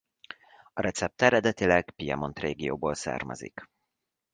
A recept eredetileg Piemont régióból származik.